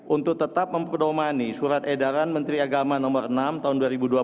untuk tetap memperdomani surat edaran menteri agama nomor enam tahun dua ribu dua puluh